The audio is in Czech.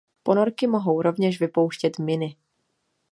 Ponorky mohou rovněž vypouštět miny.